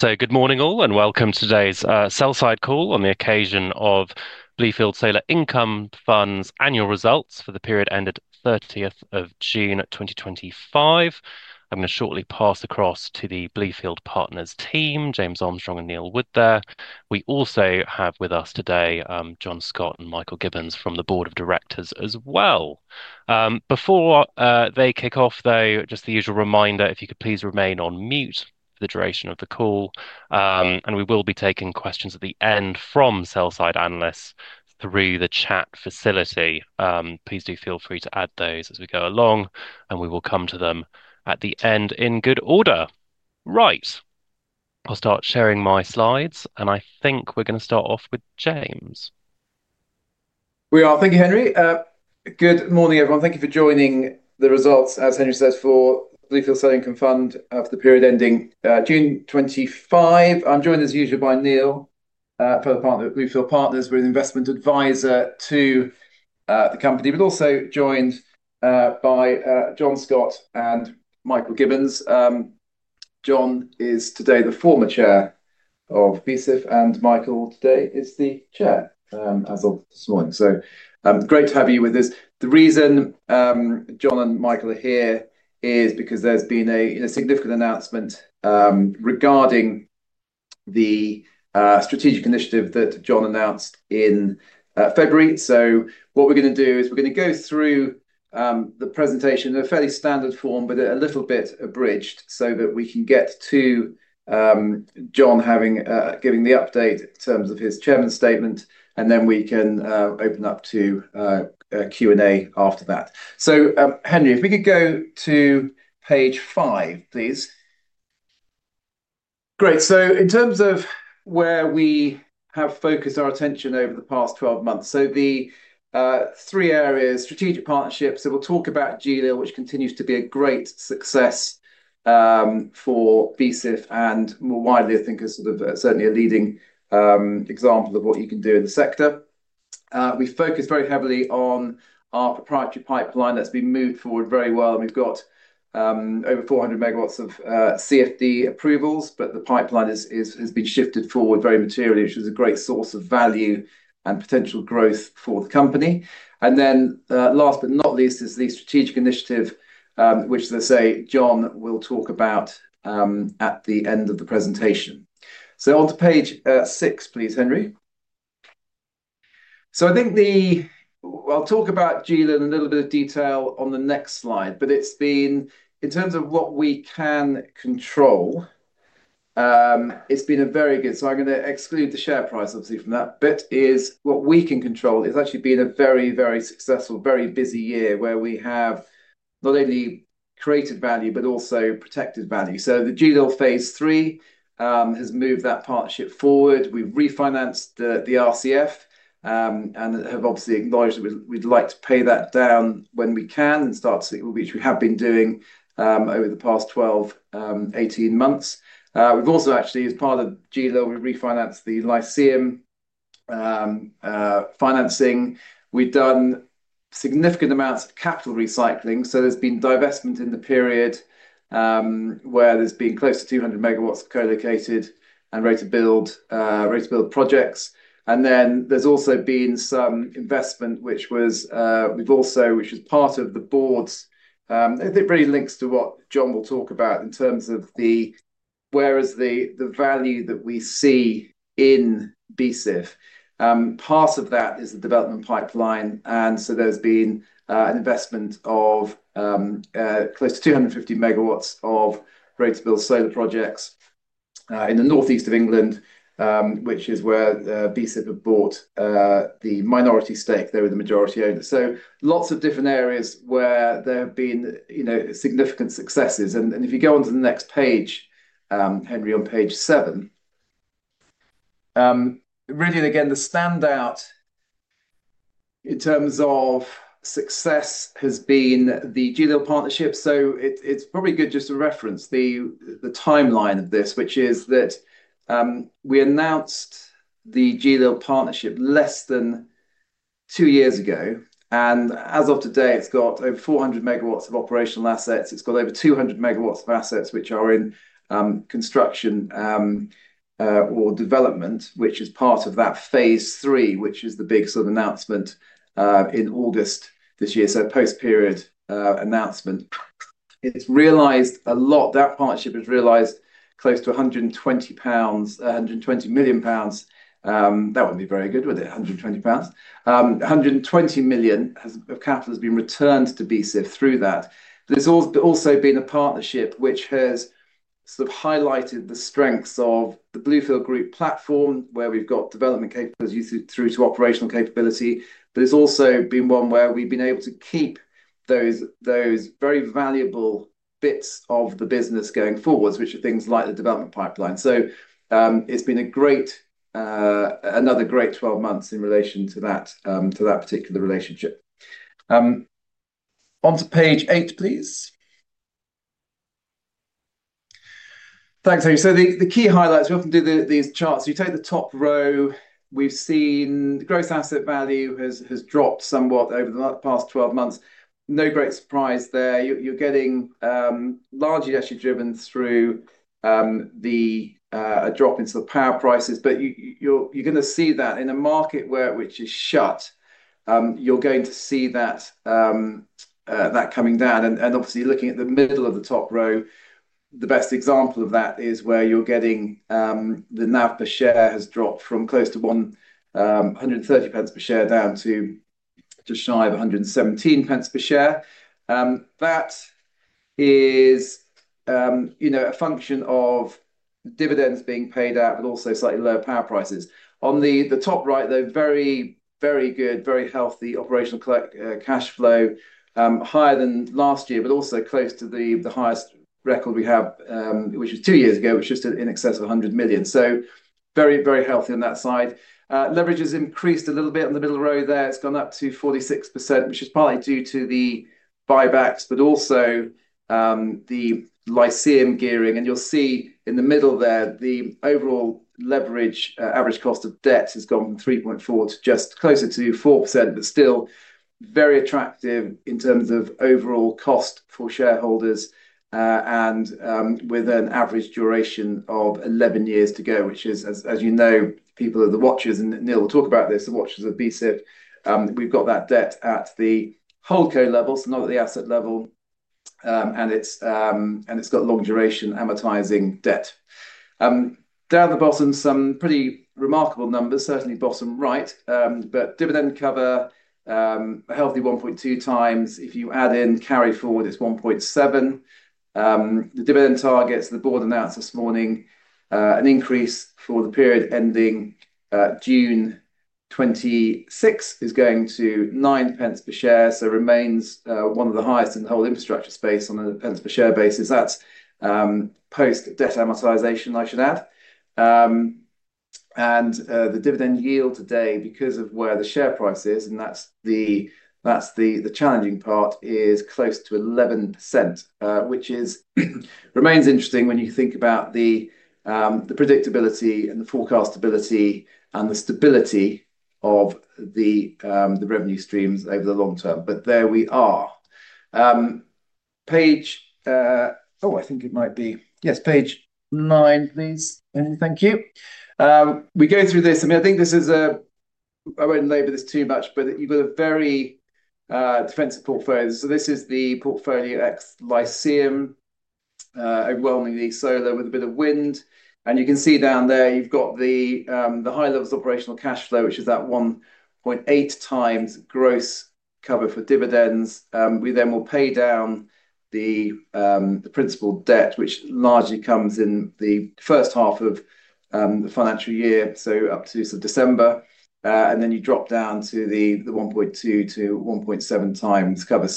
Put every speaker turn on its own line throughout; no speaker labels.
Good morning all and welcome to today's sell side call on the occasion of Bluefield Solar Income Fund Limited's annual results for the period ended 30th of June 2025. I'm going to shortly pass across to the Bluefield Partners team, James Armstrong and Neil Wood there. We also have with us today John Scott and Michael Gibbons from the Board of Directors as well. Before they kick off though, just the usual reminder, if you could please remain on mute for the duration of the call and we will be taking questions at the end from sell side analysts through the chat facility. Please do feel free to add those as we go along and we will come to them at the end in good order. Right, I'll start sharing my slides and I think we're going to start off with James.
We are. Thank you, Henry. Good morning everyone. Thank you for joining the results. As Henry says, for Bluefield Solar Income Fund Limited for the period ending June 25th. I'm joined as usual by Neil Wood, Bluefield Partners, with investment adviser to the company, but also joined by John Scott and Michael Gibbons. John is today the former Chair of Bluefield Solar Income Fund Limited and Michael today is the Chair as of this morning. Great to have you with us. The reason John and Michael are here is because there's been a significant announcement regarding the strategic initiative that John announced in February. What we're going to do is go through the presentation in a fairly standard form but a little bit abridged so that we can get to John giving the update in terms of his Chairman's statement and then we can open up to Q and A after that. Henry, if we could go to page five, please. Great. In terms of where we have focused our attention over the past 12 months, the three areas: strategic partnerships, we'll talk about GLIL, which continues to be a great success for Bluefield Solar Income Fund Limited and more widely I think is certainly a leading example of what you can do in the sector. We focus very heavily on our proprietary pipeline that's been moved forward very well and we've got over 400 megawatts of CFD approvals. The pipeline has been shifted forward very materially, which is a great source of value and potential growth for the company. Last but not least is the strategic initiative which, as they say, John will talk about at the end of the presentation. On to page six please, Henry. I think I'll talk about GLIL in a little bit of detail on the next slide, but in terms of what we can control, it's been a very good year. I'm going to exclude the share price obviously from that bit as what we can control. It's actually been a very, very successful, very busy year where we have not only created value but also protected value. The GLIL phase 3 has moved that partnership forward. We've refinanced the RCF and have obviously acknowledged that we'd like to pay that down when we can and start, which we have been doing over the past 12 to 18 months. We've also actually, as part of GLIL, refinanced the Lyceum financing. We've done significant amounts of capital recycling. There's been divestment in the period where there's been close to 200 megawatts co-located and ready to build projects. There's also been some investment which was. We've also, which is part of the board's, it really links to what John will talk about in terms of the, whereas the value that we see in BSIF, part of that is the development pipeline. There's been an investment of close to 250 megawatts of greater build solar projects in the northeast of England, which is where BSIF have bought the minority stake. They were the majority owner. Lots of different areas where there have been significant successes. If you go onto the next page, Henry, on page seven, really, again, the standout in terms of success has been the GLIL partnership. It's probably good just to reference the timeline of this, which is that we announced the GLIL partnership less than two years ago and as of today it's got over 400 megawatts of operational assets, it's got over 200 megawatts of assets which are in construction or development, which is part of that phase three, which is the big sort of announcement in August this year. Post period announcement it's realized a lot. That partnership has realized close to £120 million. That would be very good with it. £120 million of capital has been returned to BSIF through that. There's also been a partnership which has highlighted the strengths of the Bluefield Group platform, where we've got development capability through to operational capability, but it's also been one where we've been able to keep those very valuable bits of the business going forwards, which are things like the development pipeline. It's been another great 12 months in relation to that particular relationship. On to page eight please. Thanks, Henry. The key highlights, we often do these charts. You take the top row. We've seen gross asset value has dropped somewhat over the past 12 months. No great surprise there. You're getting largely actually driven through.
A.
Drop into the power prices. You're going to see that in a market which is shut down, you're going to see that coming down. Obviously, looking at the middle of the top row, the best example of that is where you're getting the NAV per share has dropped from close to £1.30 per share down to just shy of £1.17 per share. That is a function of dividends being paid out but also slightly lower power prices. On the top right, though, very, very good, very healthy operational cash flow, higher than last year but also close to the highest record we have, which was two years ago, which was just in excess of £100 million. Very, very healthy on that side. Leverage has increased a little bit on the middle row there; it's gone up to 46%, which is partly due to the buybacks but also the Lyceum gearing. You'll see in the middle there the overall leverage average cost of debt has gone from 3.4% to just closer to 4%, but still very attractive in terms of overall cost for shareholders. With an average duration of 11 years to go, which, as you know, people are the watchers, and Neil will talk about this, the watchers of BSIF, we've got that debt at the HoldCo level, so not at the asset level, and it's got long duration amortizing debt down the bottom. Some pretty remarkable numbers, certainly bottom right. Dividend cover, a healthy 1.2 times. If you add in carry forward, it's 1.7. The dividend targets the board announced this morning, an increase for the period ending June 2026, is going to 9 pence per share, so remains one of the highest in the whole infrastructure space on a pence per share basis. That's post debt amortization, I should add. The dividend yield today, because of where the share price is, and that's the challenging part, is close to 11%, which remains interesting when you think about the predictability and the forecastability and the stability of the revenue streams over the long term. There we are. Page—oh, I think it might be—yes, page nine, please. Thank you. We go through this. I think this is a—I won't labor this too much, but you've got a very defensive portfolio. This is the portfolio ex Lyceum, overwhelmingly solar with a bit of wind. You can see down there you've got the high levels of operational cash flow, which is that 1.08 times gross cover for dividends. We then will pay down the principal debt, which largely comes in the first half of the financial year, so up to December, and then you drop down to the 1.2 to 1.7 times cover.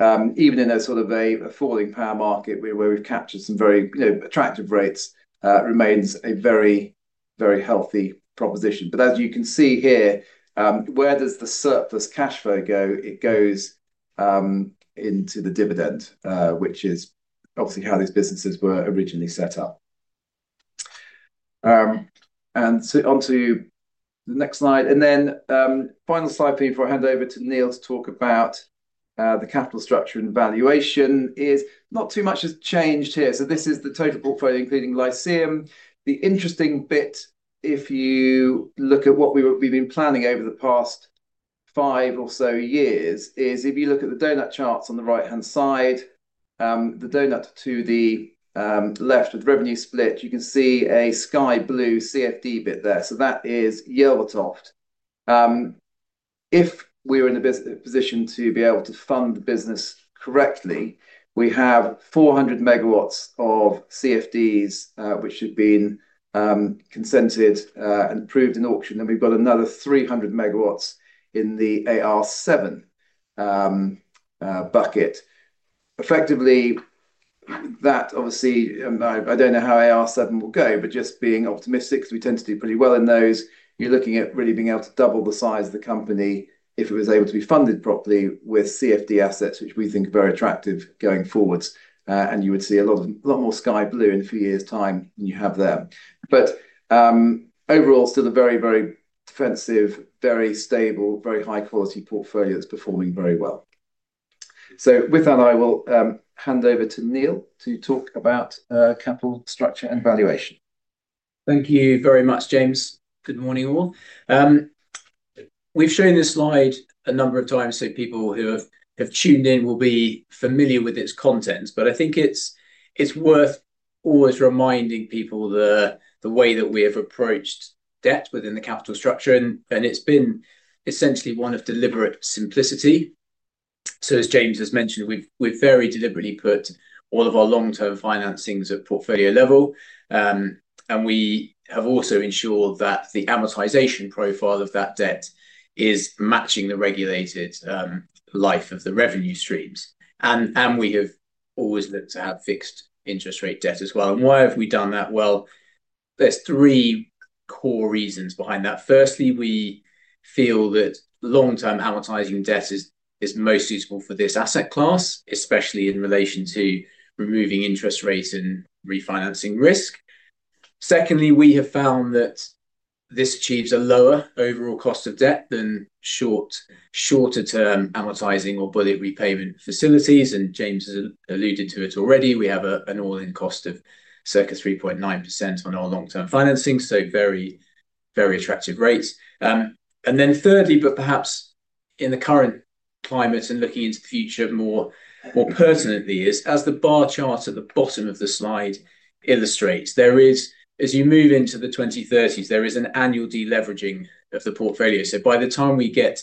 Even in a sort of a falling power market where we've captured some very attractive rates, it remains a very, very healthy proposition. As you can see here, where does the surplus cash flow go? It goes into the dividend, which is obviously how these businesses were originally set up, and onto the next slide and then final slide please for hand over to Neil to talk about the capital structure and valuation. Not too much has changed here. This is the total portfolio including Lyceum. The interesting bit, if you look at what we've been planning over the past five or so years, is if you look at the donut charts on the right-hand side, the donut to the left with revenue split, you can see a sky blue CFD bit there. That is yieldsoft. If we were in the position to be able to fund the business correctly, we have 400 megawatts of CFDs which have been consented and approved in auction, and we've got another 300 megawatts in the AR7 bucket. Effectively, I don't know how AR7 will go, but just being optimistic because we tend to do pretty well in those, you're looking at really being able to double the size of the company if it was able to be funded properly with CFD assets, which we think are very attractive going forwards. You would see a lot more sky blue in a few years' time than you have there. Overall, still a very, very defensive, very stable, very high quality portfolio that's performing very well. With that, I will hand over to Neil to talk about capital structure and valuation.
Thank you very much, James. Good morning all. We've shown this slide a number of times, so people who have tuned in will be familiar with its contents. I think it's worth always reminding people the way that we have approached debt within the capital structure and it's been essentially one of deliberate simplicity. As James has mentioned, we've very deliberately put all of our long term financings at portfolio level and we have also ensured that the amortization profile of that debt is matching the regulated life of the revenue streams. We have always looked to have fixed interest rate debt as well. Why have we done that? There are three core reasons behind that. Firstly, we feel that long term amortizing debt is most suitable for this asset class, especially in relation to removing interest rates and refinancing risk. Secondly, we have found that this achieves a lower overall cost of debt than shorter term amortizing or bullet repayment facilities. James has alluded to it already. We have an all in cost of circa 3.9% on our long term financing. Very, very attractive rates. Thirdly, perhaps in the current climate and looking into the future more pertinently is as the bar chart at the bottom of the slide illustrates, as you move into the 2030s, there is an annual deleveraging of the portfolio. By the time we get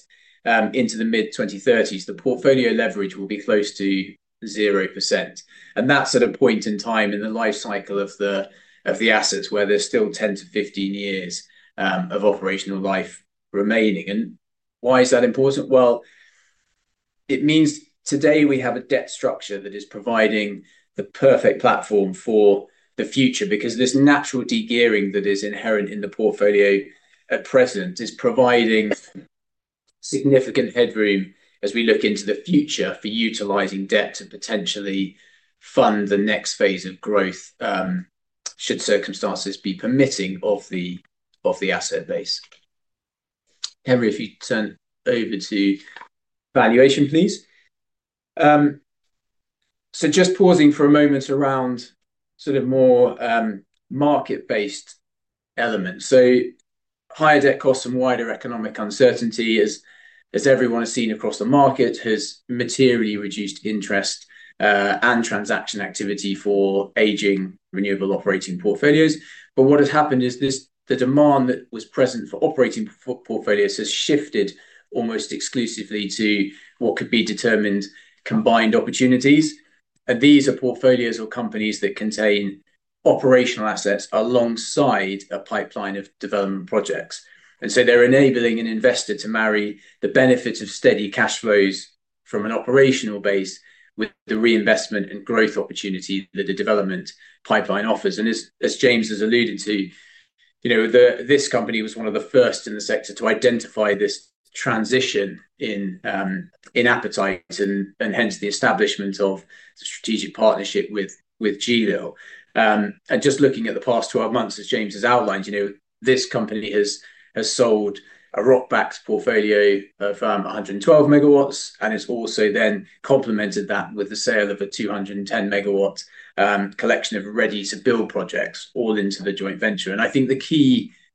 into the mid-2030s the portfolio leverage will be close to 0%. That's at a point in time in the life cycle of the assets where there's still 10 to 15 years of operational life remaining. Why is that important? It means today we have a debt structure that is providing the perfect platform for the future. This natural dearing that is inherent in the portfolio at present is providing significant headroom as we look into the future for utilizing debt to potentially fund the next phase of growth should circumstances be permitting of the asset base. Henry, if you turn over to valuation, please. Just pausing for a moment around sort of more market based element. Higher debt costs and wider economic uncertainty as everyone has seen across the market, has materially reduced interest and transaction activity for aging renewable operating portfolios. What has happened is the demand that was present for operating portfolios has shifted almost exclusively to what could be determined combined opportunities. These are portfolios or companies that contain operational assets alongside a pipeline of development projects. They enable an investor to marry the benefit of steady cash flows from an operational base with the reinvestment and growth opportunity that the development pipeline offers. As James has alluded to, this company was one of the first in the sector to identify this transition in appetite and hence the establishment of strategic partnership with GLIL. Looking at the past 12 months, as James has outlined, this company has sold a ROC-backed portfolio of 112 megawatts. It has also complemented that with the sale of a 210 megawatt collection of ready to build projects, all into the joint venture. I think the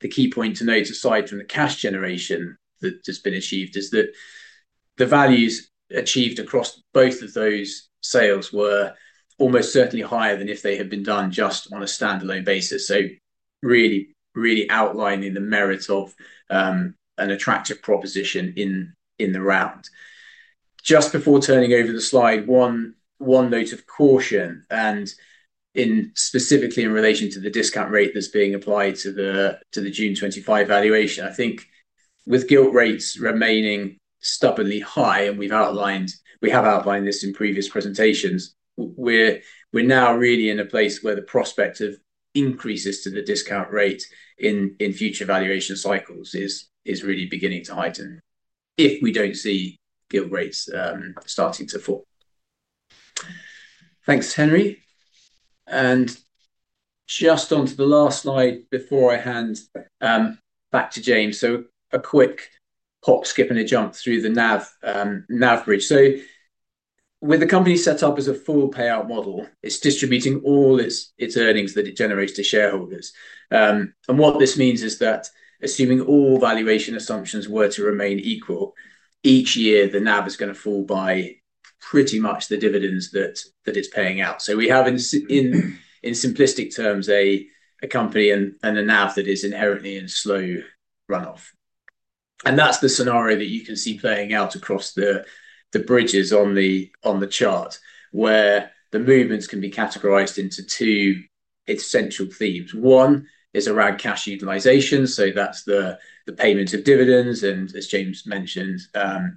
key point to note, aside from the cash generation that has been achieved, is that the values achieved across both of those sales were almost certainly higher than if they had been done just on a standalone basis. This really outlines the merits of an attractive proposition in the round. Just before turning over the slide, one note of caution, specifically in relation to the discount rate that's being applied to the June 25th valuation. With gilt rates remaining stubbornly high, and we have outlined this in previous presentations, we are now really in a place where the prospect of increases to the discount rate in future valuation cycles is really beginning to heighten if we do not see gilt rates starting to fall. Thanks, Henry. Just onto the last slide before I hand back to James. A quick pop, skip, and a jump through the NAV bridge. With the company set up as a full payout model, it's distributing all its earnings that it generates to shareholders. What this means is that assuming all valuation assumptions were to remain equal each year, the NAV is going to fall by pretty much the dividends that it's paying out. In simplistic terms, we have a company and a NAV that is inherently in slow runoff. That is the scenario that you can see playing out across the bridges on the chart, where the movements can be categorized into two essential themes. One is around cash utilization, so that's the payment of dividends and, as James mentioned,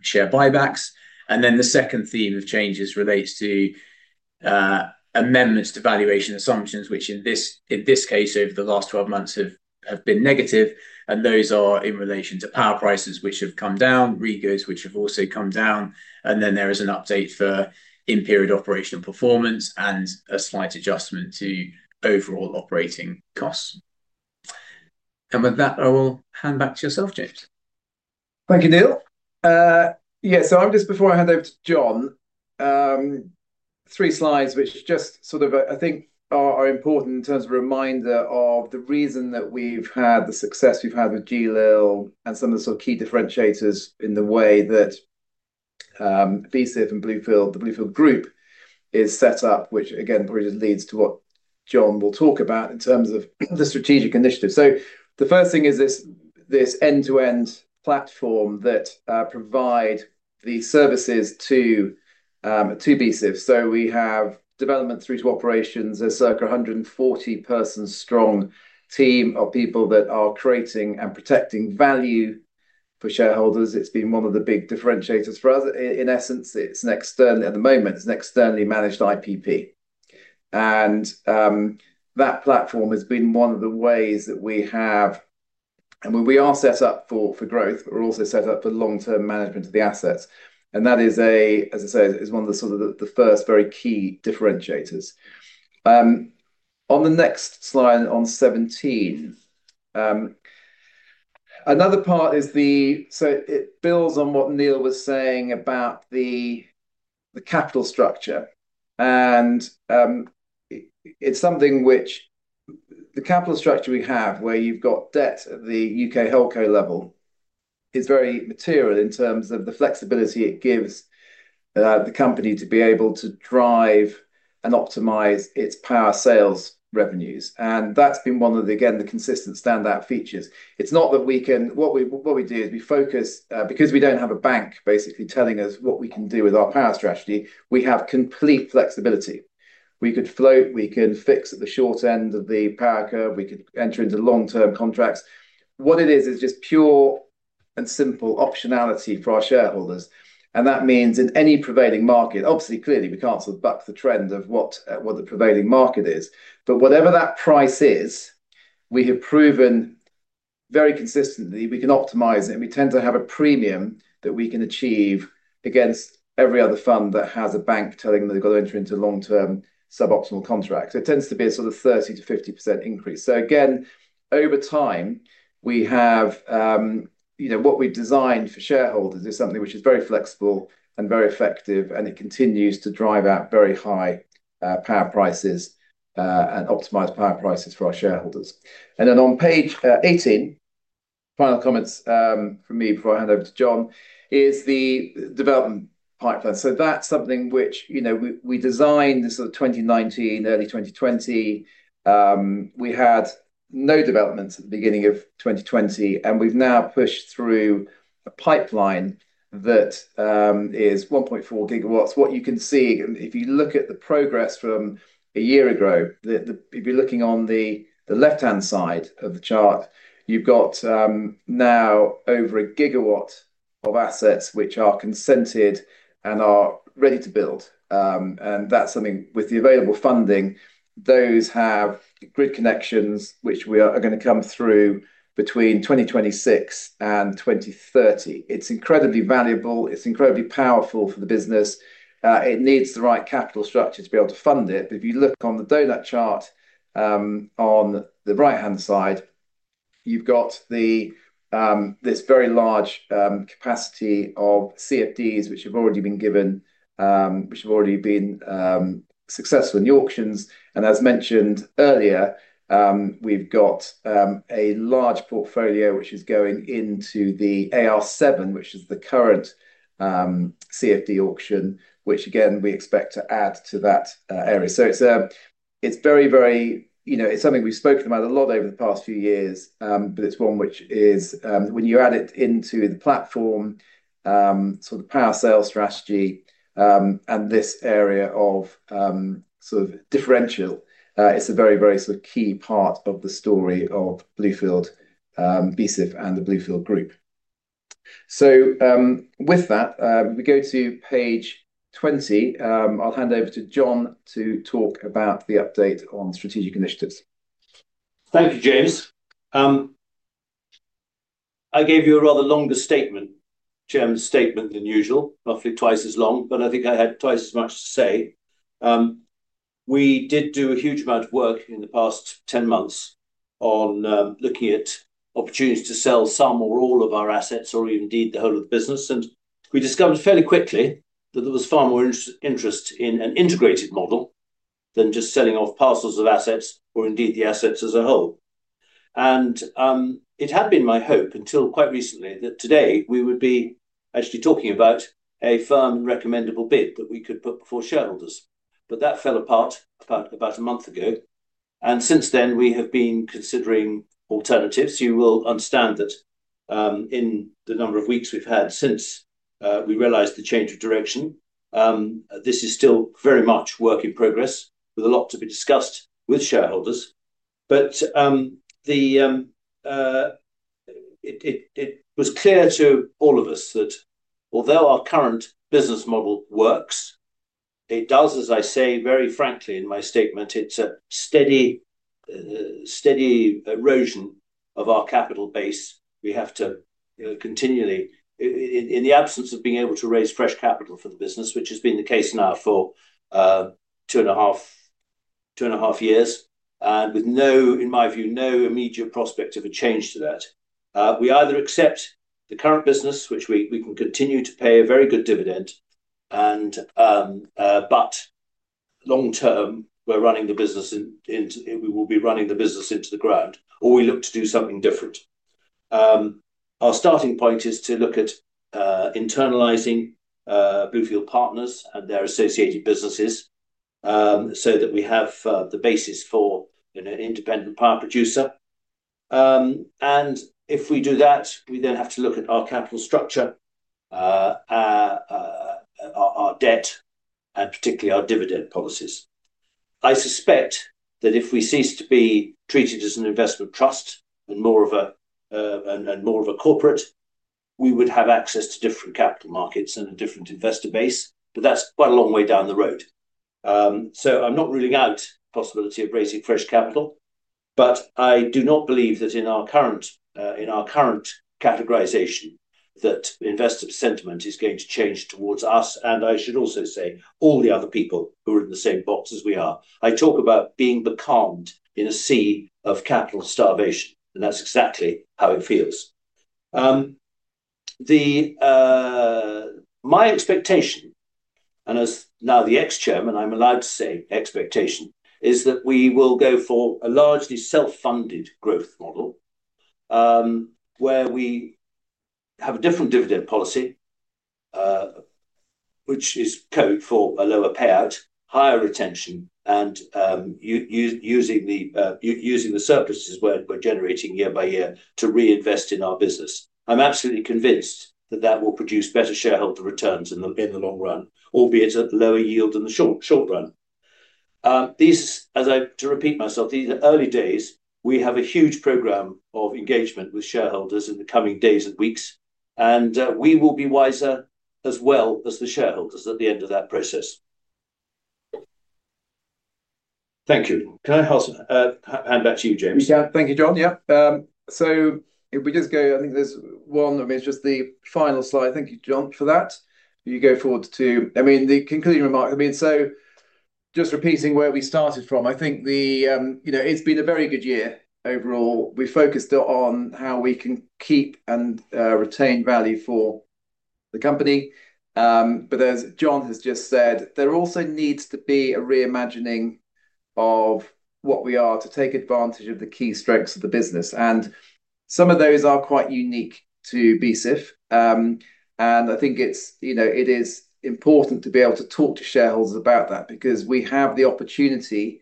share buybacks. The second theme of changes relates to amendments to valuation assumptions, which in this case over the last 12 months have been negative. Those are in relation to power prices, which have come down, REGOs, which have also come down. There is an update for in-period operational performance and a slight adjustment to overall operating costs. With that, I will hand back to yourself, James.
Thank you, Neil. Yeah, just before I hand over to John, three slides which I think are important in terms of a reminder of the reason that we've had the success we've had with GLIL and some of the key differentiators in the way that BSIF and Bluefield, the Bluefield Group, is set up, which again probably leads to what John will talk about in terms of the strategic initiatives. Probably the first thing is this end-to-end platform that provides the services to BSIF. We have development through to operations, a circa 140-person strong team of people that are creating and protecting value for shareholders. It's been one of the big differentiators for us. In essence, it's an external, at the moment, it's an externally managed IPP. That platform has been one of the ways that we have and we are set up for growth, but we're also set up for long-term management of the assets. That is, as I said, one of the first very key differentiators. On the next slide, on 17, another part is the—so it builds on what Neil was saying about the capital structure, and it's something which the capital structure we have, where you've got debt at the UK HoldCo level, is very material in terms of the flexibility it gives the company to be able to drive and optimize its power sales revenues. That's been one of, again, the consistent standout features. It's not that we can—what we do is we focus because we don't have a bank basically telling us what we can do with our power strategy. We have complete flexibility, we could float, we can fix at the short end of the power curve, we could enter into long-term contracts. What it is is just pure and simple optionality for our shareholders. That means in any prevailing market, obviously, clearly we can't buck the trend of what the prevailing market is, but whatever that price is, we have proven very consistently we can optimize it and we tend to have a premium that we can achieve against every other fund that has a bank telling them they've got to enter into long-term suboptimal contracts. It tends to be a sort of 30% to 50% increase. Over time, what we've designed for shareholders is something which is very flexible and very effective, and it continues to drive out very high power prices and optimized power prices for our shareholders. On page 18, final comments from me before I hand over to John is the development pipeline. That's something which, you know, we designed this 2019, early 2020. We had no developments at the beginning of 2020 and we've now pushed through a pipeline that is 1.4 gigawatts. What you can see if you look at the progress from a year ago, if you're looking on the left hand side of the chart, you've got now over a gigawatt of assets which are consented and are ready to build. That's something with the available funding, those have grid connections which are going to come through between 2026 and 2030. It's incredibly valuable, it's incredibly powerful for the business. It needs the right capital structure to be able to fund it. If you look on the donut chart on the right hand side, you've got this very large capacity of CFDs which have already been given, which have already been successful in the auctions. As mentioned earlier, we've got a large portfolio which is going into the AR7, which is the current CFD auction, which again, we expect to add to that area. It's very, very, you know, it's something we've spoken about a lot over the past few years, but it's one which is when you add it into the platform. The power sales strategy and this area of sort of differential, it's a very, very sort of key part of the story of Bluefield Solar Income Fund Limited and the Bluefield Group. With that we go to page 20. I'll hand over to John to talk about the update on strategic initiatives.
Thank you, James. I gave you a rather longer statement, Jim's statement than usual, roughly twice as long, but I think I had twice as much to say. We did do a huge amount of work in the past 10 months on looking at opportunities to sell some or all of our assets, or indeed the whole of the business. We discovered fairly quickly that there was far more interest in an integrated model than just selling off parcels of assets, or indeed the assets as a whole. It had been my hope until quite recently that today we would be actually talking about a firm recommendable bid that we could put before shareholders. That fell apart about a month ago. Since then we have been considering alternatives. You will understand that in the number of weeks we've had since we realized the change of direction, this is still very much work in progress with a lot to be discussed with shareholders.
But.
It was clear to all of us that although our current business model works, it does, as I say very frankly in my statement, it's a steady, steady erosion of our capital base. We have to continually, in the absence of being able to raise fresh capital for the business, which has been the case now for two and a half years, and with no, in my view, no immediate prospect of a change to that. We either accept the current business, which we can continue to pay a very good dividend, but long term, we're running the business, we will be running the business into the ground, or we look to do something different. Our starting point is to look at internalizing Bluefield Partners and their associated businesses so that we have the basis for an independent power producer. If we do that, we then have to look at our capital structure, our debt and particularly our dividend policies. I suspect that if we cease to be treated as an investment trust and more of a corporate, we would have access to different capital markets and a different investor base. That's quite a long way down the road. I'm not ruling out possibility of raising fresh capital. I do not believe that in our current, in our current categorization that investor sentiment is going to change towards us. I should also say all the other people who are in the same box as we are. I talk about being becalmed in a sea of capital starvation and that's exactly how it feels. My expectation, and as now the ex Chairman, I'm allowed to say expectation, is that we will go for a largely self-funded growth model where we have a different dividend policy which is code for a lower payout, higher retention and using the surpluses we're generating year by year to reinvest in our business. I'm absolutely convinced that that will produce better shareholder returns in the long run, albeit at lower yield in the short run. To repeat myself, these are early days. We have a huge program of engagement with shareholders in the coming days and weeks and we will be wiser as well as the shareholders at the end of that process. Thank you. Can I hand back to you, James?
Thank you, John. If we just go, I think there's one, it's just the final slide. Thank you, John, for that. You go forward to the concluding remark. Just repeating where we started from, I think it's been a very good year overall. We focused on how we can keep and retain value for the company. As John has just said, there also needs to be a reimagining of what we are to take advantage of the key strengths of the business. Some of those are quite unique to BSIF. I think it is important to be able to talk to shareholders about that because we have the opportunity,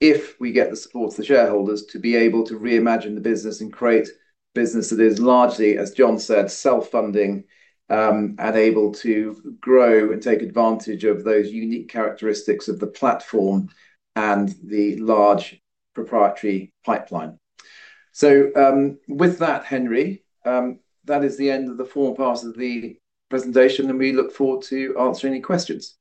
if we get the support of the shareholders, to be able to reimagine the business and create a business that is largely, as John said, self-funding and able to grow and take advantage of those unique characteristics of the platform and the large proprietary pipeline. With that, Henry, that is the end of the formal part of the presentation and we look forward to answering any questions.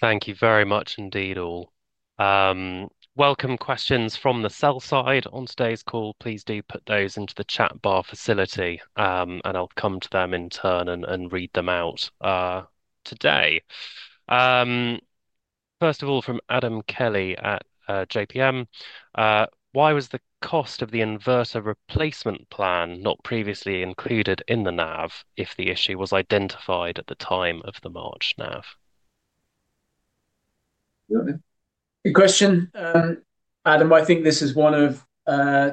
Thank you very much indeed. All welcome questions from the sell side on today's call. Please do put those into the chat bar facility and I'll come to them in turn and read them out today. First of all, from Adam Kelly at JPM, why was the cost of the inverter replacement plan not previously included in the NAV if the issue was identified at the time of the March NAV?
Good question, Adam. I think this is one of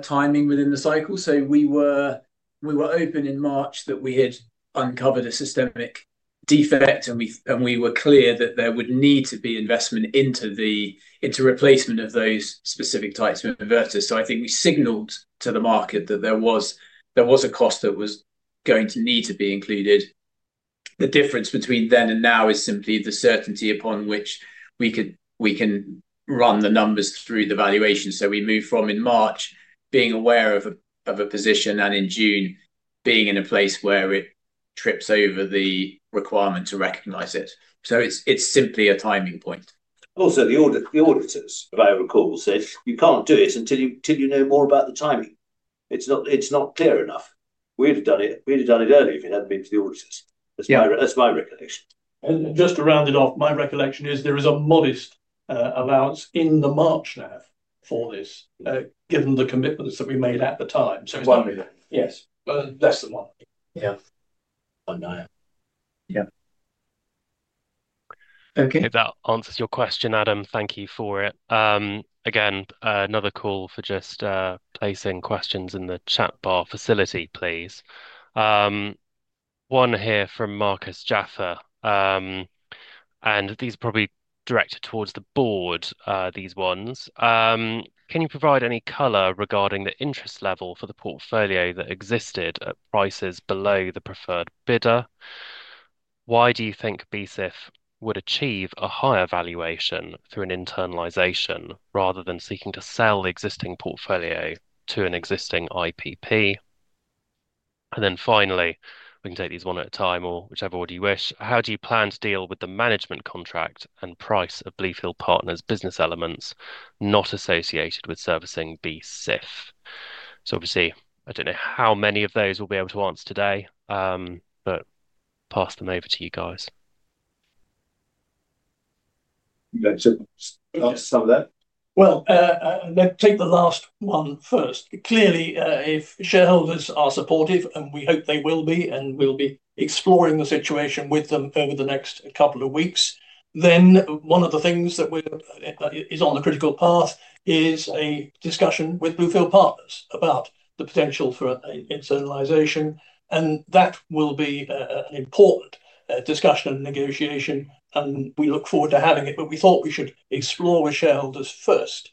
timing within the cycle. We were open in March that we had uncovered a systemic defect, and we were clear that there would need to be investment into the replacement of those specific types of inverters. I think we signaled to the market that there was a cost that was going to need to be included. The difference between then and now is simply the certainty upon which we can run the numbers through the valuation. We move from in March being aware of a position and in June being in a place where it trips over the requirement to recognize it. It's simply a timing point.
Also, the auditors, if I recall, said you can't do it until you know more about the timing. It's not clear enough. We'd have done it early if it hadn't been to the auditors. That's my recollection.
To round it off, my recollection is there is a modest allowance in the March NAV for this, given the commitments that we made at the time.
It's one minute.
Yes, less than one.
Yeah.
Yeah.
Okay. If that answers your question, Adam, thank you for it. Again, another call for just placing questions in the chat bar facility, please. One here from Marcus Jaffa. These are probably directed towards the Board. These ones. Can you provide any color regarding the interest level for the portfolio that existed at prices below the preferred bidder? Why do you think BSIF would achieve a higher valuation through an internalization rather than seeking to sell the existing portfolio to an existing IPP? Finally, we can take these one at a time, or whichever one you wish. How do you plan to deal with the management contract and price of Bluefield Partners? Business elements not associated with servicing BSIF. Obviously, I don't know how many of those we'll be able to answer today, but pass them over to you guys.
Let's take the last one first. Clearly, if shareholders are supportive, and we hope they will be, and we'll be exploring the situation with them over the next couple of weeks, one of the things that is on the critical path is a discussion with Bluefield Partners about the potential for internalization, and that will be an important discussion and negotiation, and we look forward to having it. We thought we should explore with shareholders first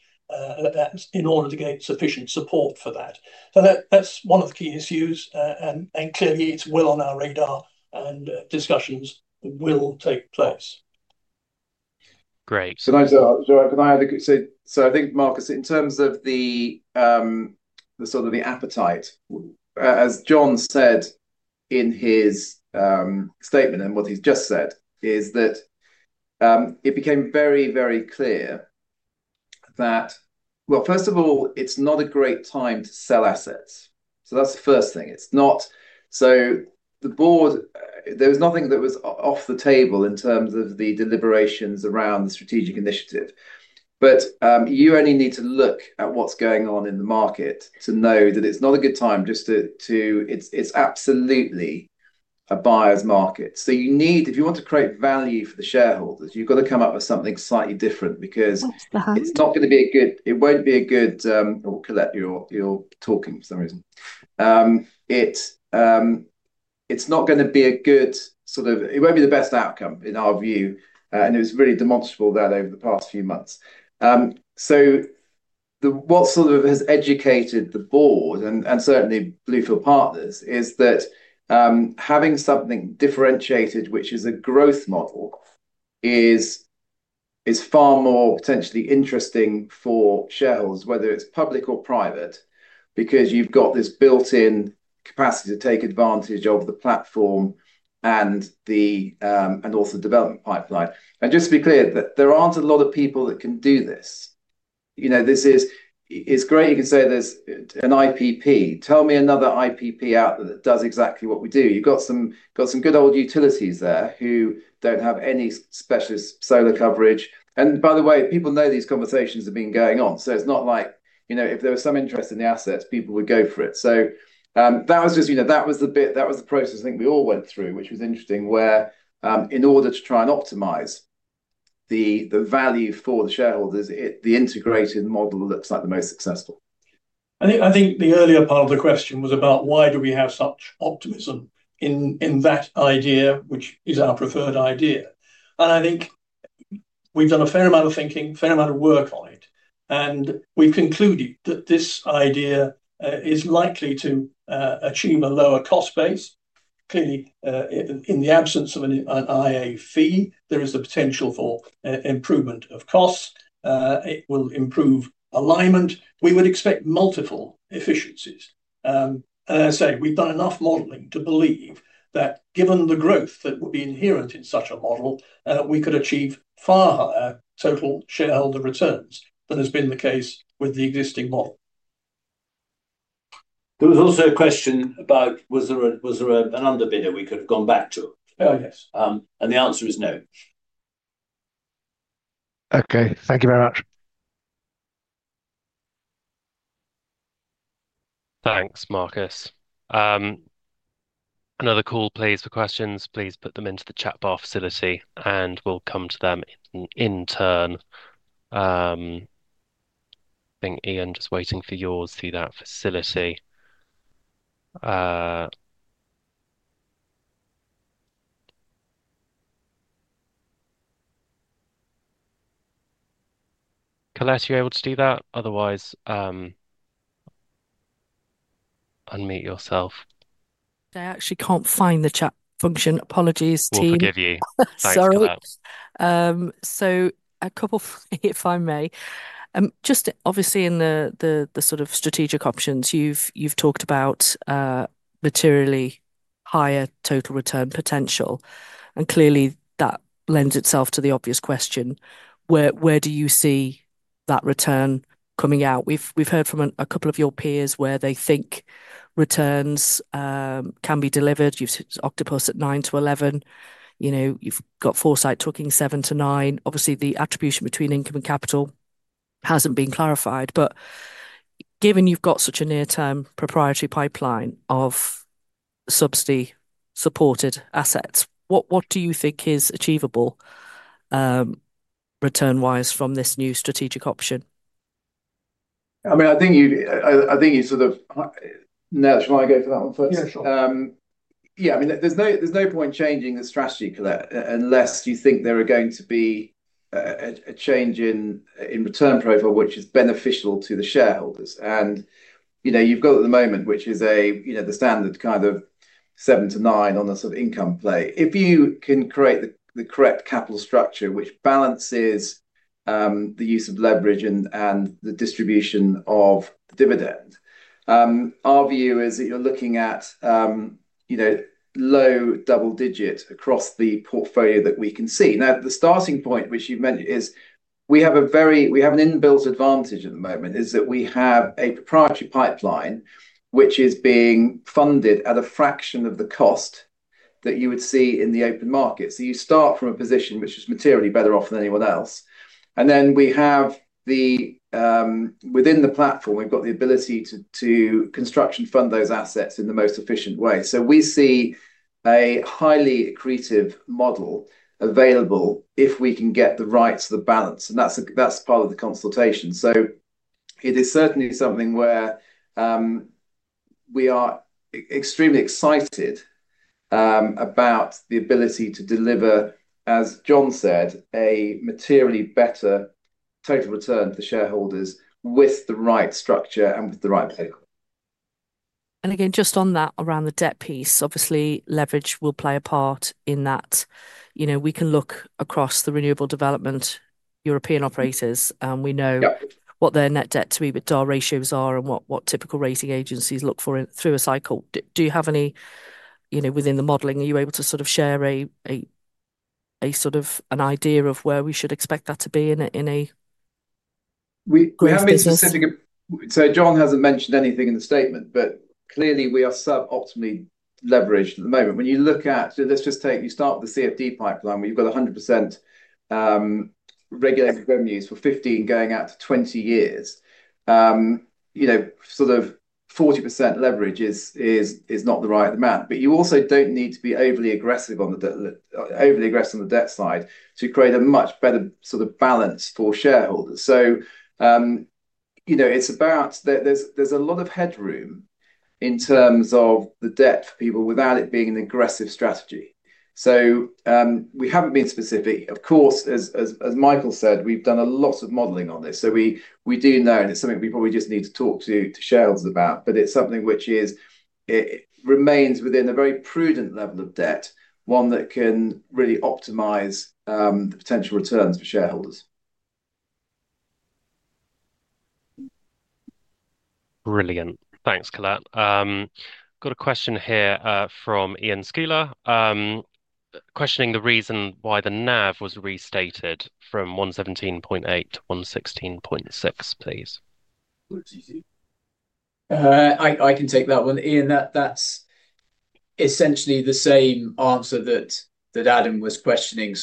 in order to get sufficient support for that. That's one of the key issues, and clearly it's well on our radar, and discussions will take place.
Great.
I think, Marcus, in terms of the sort of the appetite, as John said in his statement and what he's just said, it became very, very clear that, first of all, it's not a great time to sell assets. That's the first thing. It's not. The board, there was nothing that was off the table in terms of the deliberations around the strategic initiative. You only need to look at what's going on in the market to know that it's not a good time just to—it's absolutely a buyer's market. If you want to create value for the shareholders, you've got to come up with something slightly different because it's not going to be a good outcome. It won't be a good—or, for some reason, it's not going to be a good sort of—it won't be the best outcome in our view. It was really demonstrable that over the past few months, what has educated the board and certainly Bluefield Partners is that having something differentiated, which is a growth model, is far more potentially interesting for shareholders, whether it's public or private, because you've got this built-in capacity to take advantage of the platform and also the development pipeline. Just to be clear, there aren't a lot of people that can do this. It's great, you can say there's an IPP, tell me another independent power producer out there that does exactly what we do. You've got some good old utilities there who don't have any specialist solar coverage. By the way, people know these conversations have been going on. It's not like if there was some interest in the assets, people would go for it. That was the process I think we all went through, which was interesting, where in order to try and optimize the value for the shareholders, the integrated model looks like the most successful.
I think the earlier part of the question was about why do we have such optimism in that idea, which is our preferred idea. I think we've done a fair amount of thinking, a fair amount of work on it, and we've concluded that this idea is likely to achieve a lower cost base. Clearly, in the absence of an IA fee, there is the potential for improvement of costs. It will improve alignment. We would expect multiple efficiencies. As I say, we've done enough modeling to believe that given the growth that would be inherent in such a model, we could achieve far higher total shareholder returns than has been the case with the existing model.
There was also a question about was there an under bidder we could have gone back to?
Oh, yes.
The answer is no.
Okay, thank you very much.
Thanks. Marcus, another call please. For questions, please put them into the chat bar facility and we'll come to them in turn. Ian, just waiting for yours through that facility. Kales, you're able to do that. Otherwise, unmute yourself. I actually can't find the chat function. Apologies. I forgive you. Sorry. A couple, if I may. Obviously, in the sort of strategic options you've talked about materially higher total return potential, and clearly that lends itself to the obvious question: where do you see that return coming out? We've heard from a couple of your peers where they think returns can be delivered. You've Octopus at 9% to 11%. You've got Foresight talking 7% to 9%. Obviously, the attribution between income and capital hasn't been clarified, but given you've got such a near-term proprietary pipeline of subsidy-supported assets, what do you think is achievable return-wise from this new strategic option?
I mean, I think you sort of. Shall I go for that one first? Yeah. I mean there's no point changing the strategy, Colette, unless you think there are going to be a change in return profile which is beneficial to the shareholders. You know, you've got at the moment which is a, you know, the standard kind of 7% to 9% on the sort of income play if you can create the correct capital structure which balances the use of leverage and the distribution of dividend. Our view is that you're looking at, you know, low double digit across the portfolio that we can see. Now the starting point which you mentioned is we have a very, we have an inbuilt advantage at the moment is that we have a proprietary pipeline which is being funded at a fraction of the cost that you would see in the open market. You start from a position which is materially better off than anyone else and then we have the. Within the platform we've got the ability to construct and fund those assets in the most efficient way. We see a highly accretive model available if we can get the rights, the balance, and that's part of the consultation. It is certainly something where we are extremely excited about the ability to deliver, as John said, a materially better total return to shareholders with the right structure and with the right vehicle. Just on that around the debt piece, obviously leverage will play a part in that. We can look across the renewable development European operators and we know what their net debt to EBITDA ratios are and what typical rating agencies look for through a cycle. Do you have any, within the modelling, are you able to sort of share an idea of where we should expect that to be? John hasn't mentioned anything in the statement, but clearly we are sub-optimally leveraged at the moment. When you look at, let's just take, you start with the CFD pipeline where you've got 100% regulated revenues for 15 going out to 20 years. You know, sort of 40% leverage is not the right amount. You also don't need to be overly aggressive on the debt side to create a much better sort of balance for shareholders. It's about, there's a lot of headroom in terms of the debt for people without it being an aggressive strategy. We haven't been specific. Of course, as Michael said, we've done a lot of modeling on this, so we do know and it's something we probably just need to talk to shareholders about. It's something which remains within a very prudent level of debt, one that can really optimize the potential returns for shareholders.
Brilliant. Thanks, Colette. Got a question here from Ian Skiller questioning the reason why the NAV was restated from £117.8 million to £116.6 million. Please.
I can take that one, Ian. That's essentially the same answer that Adam was questioning.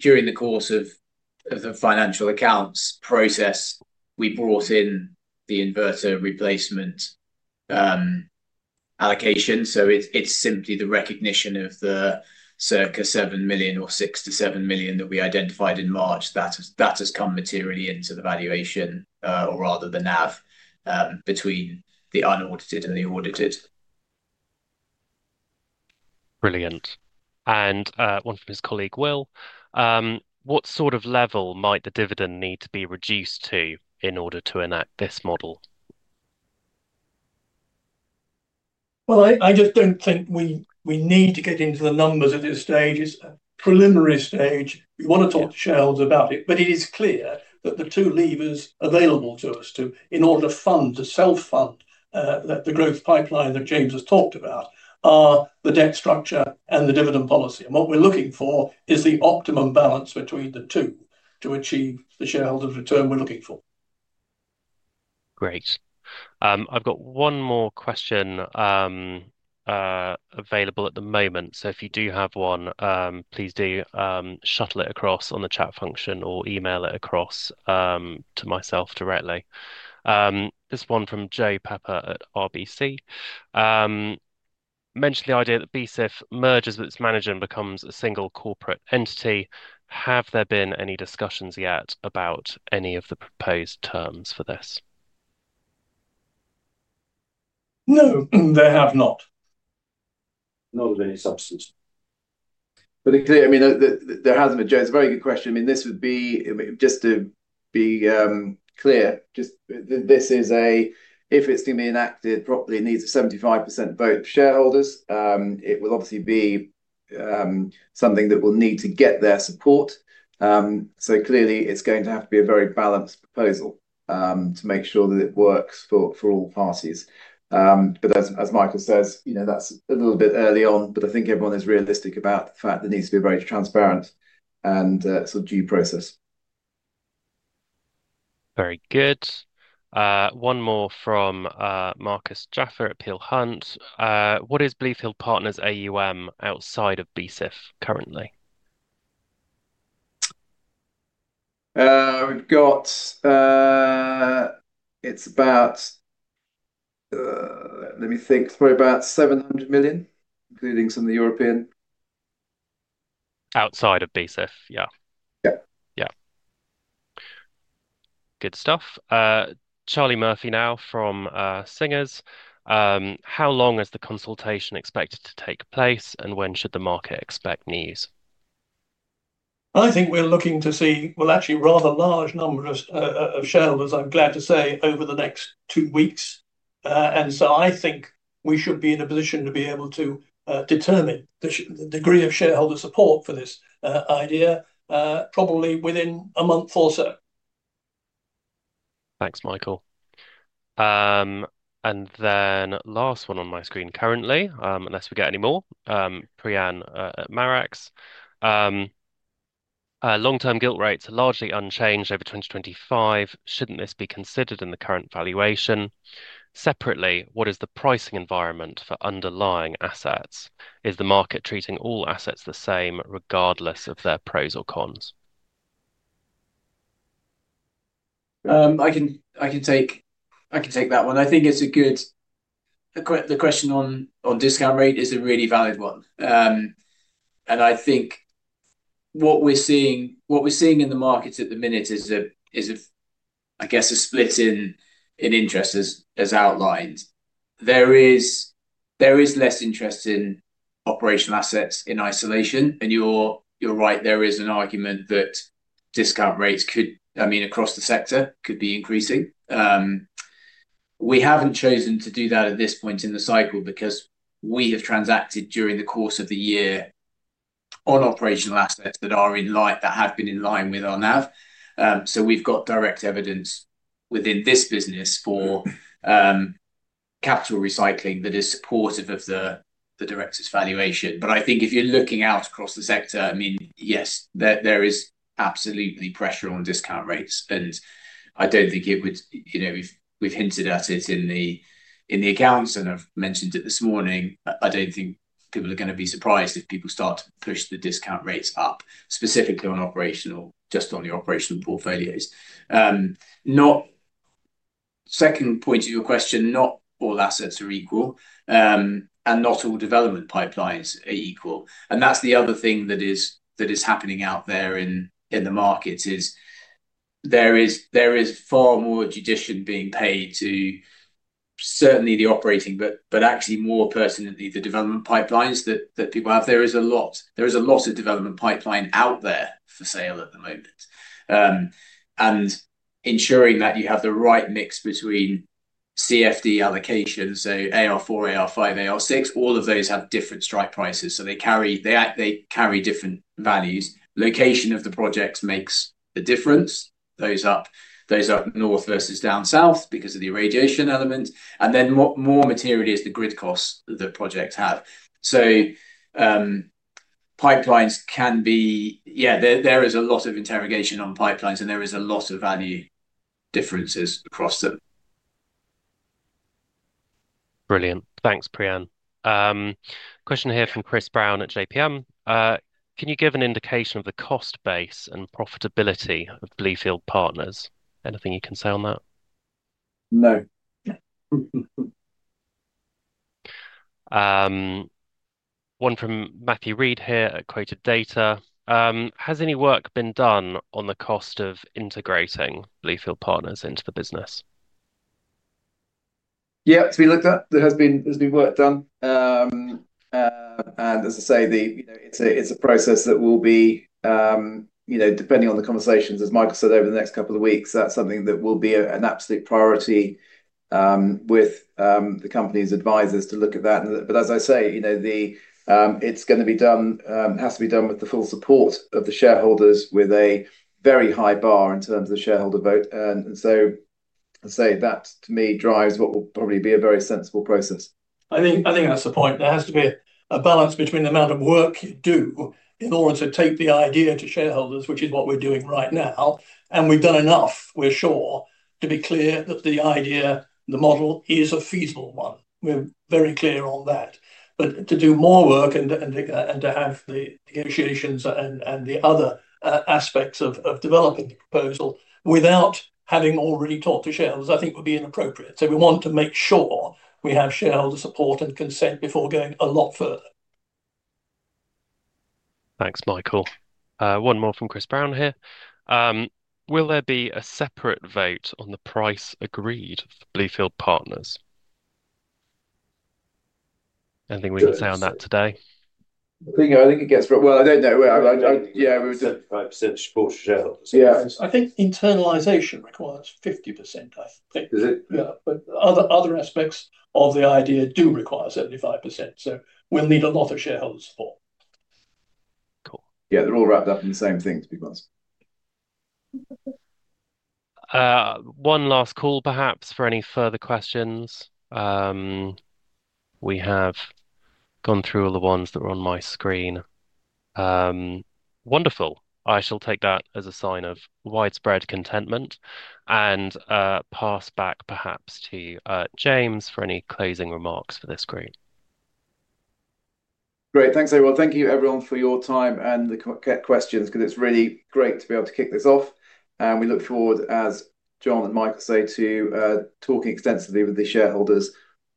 During the course of the financial accounts process, we brought in the inverter replacement allocation. It's simply the recognition of the circa £6 million to £7 million that we identified in March that has come materially into the valuation, or rather the NAV, between the unaudited and the audited.
Brilliant. One from his colleague Will, what sort of level might the dividend need to be reduced to in order to enact this model?
I just don't think we need to get into the numbers at this stage. It's a preliminary stage. We want to talk to shareholders about it, but it is clear that the two levers available to us in order to fund, to self-fund the growth pipeline that James has talked about are the debt structure and the dividend policy. What we're looking for is the optimum balance between the two to achieve the shareholders' return we're looking for.
Great. I've got one more question available at the moment, so if you do have one, please do shuttle it across on the chat function or email it across to myself directly. This one from Joe Pepper at RBC mentioned the idea that BSIF merges with its manager and becomes a single corporate entity. Have there been any discussions yet about any of the proposed terms for this?
No, they have not, not of any.
Substance, but I mean there hasn't been. Jo, it's a very good question. I mean this would be, just to be clear, just this is a, if it's going to be enacted properly, it needs a 75% vote for shareholders. It will obviously be something that will need to get their support. Clearly, it's going to have to be a very balanced proposal to make sure that it works for all parties. As Michael says, you know, that's a little bit early on, but I think everyone is realistic about the fact that it needs to be very transparent and due process.
Very good. One more from Marcus Jaffer at Peel Hunt. What is Bluefield Partners AUM outside of BSIF currently?
We've got, it's about, let me think, probably about £700 million, including some of the European.
Outside of BSIF.
Yeah, yeah.
Good stuff. Charlie Murphy now from Singers. How long is the consultation expected to take place, and when should the market expect news?
I think we're looking to see rather large numbers of shareholders, I'm glad to say, over the next two weeks. I think we should be in a position to be able to determine the degree of shareholder support for this idea, probably within a month or so.
Thanks, Michael. The last one on my screen currently, unless we get any more, Priyan at Marex, long-term gilt rates are largely unchanged over 2025. Shouldn't this be considered in the current valuation? Separately, what is the pricing environment for underlying assets? Is the market treating all assets the same, regardless of their pros or cons?
I can take that one.
I think it's good. The question on discount rate is a really valid one, and I think.
What.
We're seeing in the market at the minute is, I guess, a split in interest as outlined. There is less interest in operational assets in isolation. You're right, there is an argument that discount rates could, I mean, across the sector could be increasing. We haven't chosen to do that at this point in the cycle because we have transacted during the course of the year on operational assets that are in line with our navigation. We've got direct evidence within this business for capital recycling that is supportive of the Director's valuation. I think if you're looking out across the sector, yes, there is absolutely pressure on discount rates and I don't think it would, you know, we've hinted at it in the accounts and I've mentioned it this morning. I don't think people are going to be surprised if people start to push the discount rates up specifically on operational, just on the operational portfolios. Second point to your question, not all assets are equal and not all development pipelines are equal. That's the other thing that is happening out there in the markets. There is far more judiciary being paid to certainly the operating, but actually more pertinently the development pipelines that people have. There is a lot, there is a lot of development pipeline out there for sale at the moment and ensuring that you have the right mix between CFD allocations. AR4, AR5, AR6, all of those have different strike prices, so they carry different values. Location of the projects makes a difference, those up north versus down south because of the irradiation element, and then more material is the grid costs the projects have. Pipelines can be, yeah, there is a lot of interrogation on pipelines and there is a lot of value differences across them.
Brilliant. Thanks, Priyan. Question here from Chris Brown at JPM. Can you give an indication of the cost base and profitability of Bluefield Partners? Anything you can say on that?
No.
From Matthew Reed here at Quoted Data, has any work been done on the cost of integrating Bluefield Partners into the business?
Yeah, it's been looked at. There has been work done and, as I say, it's a process that will be, depending on the conversations, as Michael said, over the next couple of weeks. That's something that will be an absolute priority with the company's advisors to look at that. As I say, it's going to be done, has to be done with the full support of the shareholders with a very high bar in terms of the shareholder vote. That, to me, drives what will probably be a very sensible process.
I think that's the point. There has to be a balance between the amount of work you do in order to take the idea to shareholders, which is what we're doing right now. We've done enough, we're sure, to be clear that the idea, the model is a feasible one. We're very clear on that. To do more work and to have the negotiations and the other aspects of developing the proposal without having already talked to shareholders, I think would be inappropriate. We want to make sure we have shareholder support and consent before going a lot further.
Thanks, Michael. One more from Chris Brown here. Will there be a separate vote on the price agreed for Bluefield Partners? Anything we can say on that today?
I think it gets. I don't know.
Yeah, we were 75% supporter shareholders.
Yeah.
I think internalization requires 50%, I think, but other aspects of the idea do require 75%, so will need a lot of shareholders for.
Cool.
Yeah, they're all wrapped up in the same thing, to be honest.
One last call, perhaps, for any further questions. We have gone through all the ones that were on my screen. Wonderful. I shall take that as a sign of widespread contentment and pass back perhaps to James Armstrong for any closing remarks for this screen.
Great.
Thank you, everyone, for your time and the questions, because it's really great to be able to kick this off. We look forward, as John and Michael say, to talking extensively with the shareholders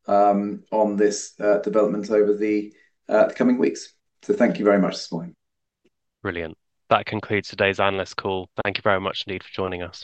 on this development over the coming weeks. Thank you very much this morning.
Brilliant. That concludes today's analyst call. Thank you very much indeed for joining us.